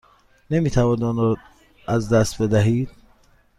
نمی توانید آن را از دست بدهید.